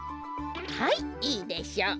はいいいでしょう。